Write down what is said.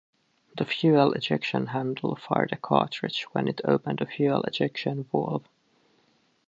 The fuel ejection handle fired a cartridge when it opened the fuel ejection valve.